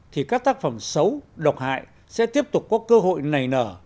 thì các tác phẩm xấu độc hại sẽ tiếp tục có cơ hội nảy nở